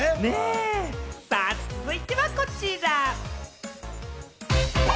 続いてはこちら。